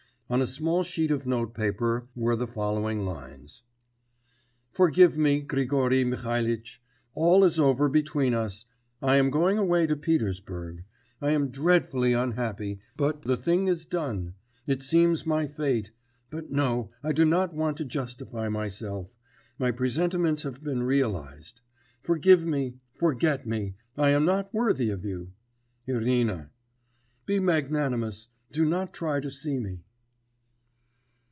On a small sheet of notepaper were the following lines: 'Forgive me, Grigory Mihalitch. All is over between us; I am going away to Petersburg. I am dreadfully unhappy, but the thing is done. It seems my fate ... but no, I do not want to justify myself. My presentiments have been realised. Forgive me, forget me; I am not worthy of you. Irina. Be magnanimous: do not try to see me.